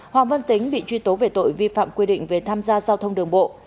hoàng văn tính bị truy tố về tội vi phạm quy định về tham gia giao thông đường bộ